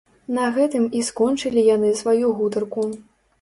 На гэтым і скончылі яны сваю гутарку.